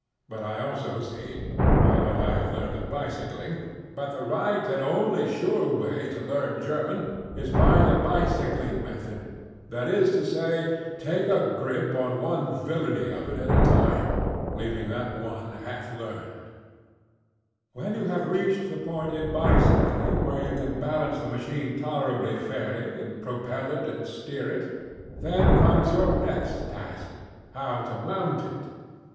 But I also see, by what I have learned of bicycling, that the right and only sure way to learn German is by the bicycling method. That is to say, take a grip on one villainy of it at a time, and learn itŌĆönot ease up and shirk to the next, leaving that one half learned. When you have reached the point in bicycling where you can balance the machine tolerably fairly and propel it and steer it, then comes your next taskŌĆöhow to mount it.